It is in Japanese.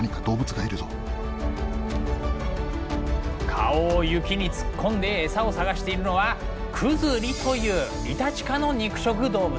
顔を雪に突っ込んで餌を探しているのはクズリというイタチ科の肉食動物。